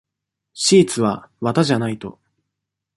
シーツは綿じゃないと。